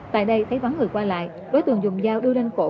tại đây thấy vắng người qua lại đối tượng dùng dao đưa ranh cổ